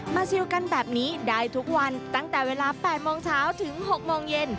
ชิลกันแบบนี้ได้ทุกวันตั้งแต่เวลา๘โมงเช้าถึง๖โมงเย็น